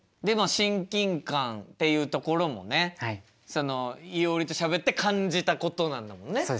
でまあ親近感っていうところもねそのいおりとしゃべって感じたことなんだもんね？